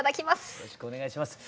よろしくお願いします。